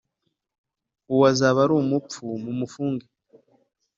uwo azaba ari umupfu mumufunge